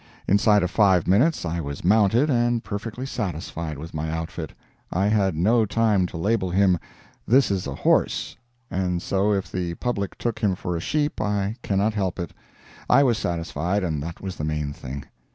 Inside of five minutes I was mounted, and perfectly satisfied with my outfit. I had no time to label him "This is a horse," and so if the public took him for a sheep I cannot help it. I was satisfied, and that was the main thing.